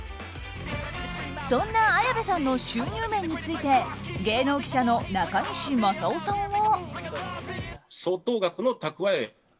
そんな綾部さんの収入面について芸能記者の中西正男さんは。